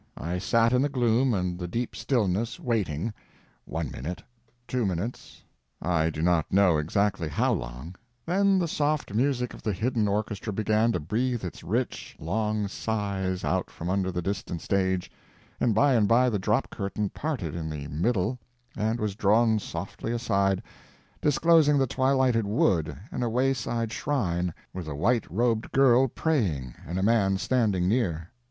I sat in the gloom and the deep stillness, waiting—one minute, two minutes, I do not know exactly how long—then the soft music of the hidden orchestra began to breathe its rich, long sighs out from under the distant stage, and by and by the drop curtain parted in the middle and was drawn softly aside, disclosing the twilighted wood and a wayside shrine, with a white robed girl praying and a man standing near.